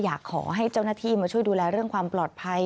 อยากให้เจ้าหน้าที่มาช่วยดูแลเรื่องความปลอดภัย